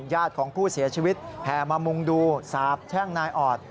ญาติของผู้เสียชีวิตแห่มามุงดูสาบแช่งนายออด